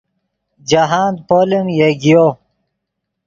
جاہند پولیم یگیو